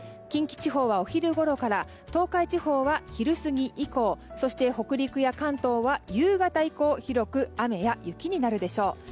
近畿地方はお昼ごろから東海地方は昼過ぎ以降そして北陸や関東は夕方以降広く雨や雪になるでしょう。